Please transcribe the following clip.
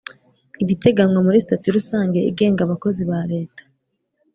ibiteganywa muri Sitati rusange igenga abakozi bal eta